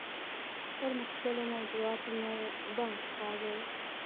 پر مختلفو موضوعاتو مو بحث کاوه.